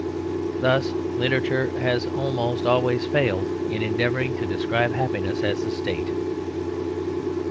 Thus literature has almost always failed in endeavouring to describe happiness as a state.